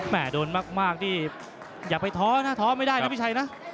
โดนมากนี่อย่าไปท้อนะท้อไม่ได้นะพี่ชัยนะ